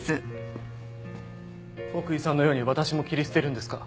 奥居さんのように私も切り捨てるんですか？